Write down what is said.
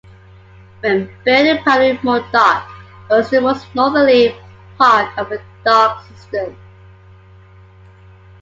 When built, Bramley-Moore Dock was the most northerly part of the dock system.